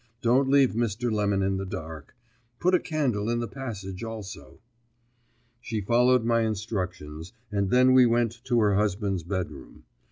Don't leave Mr. Lemon in the dark. Put a candle in the passage also." She followed my instructions, and then we went to her husband's bedroom.